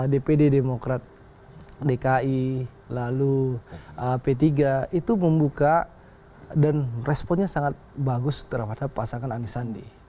dpd demokrat dki lalu p tiga itu membuka dan responnya sangat bagus terhadap pasangan anies sandi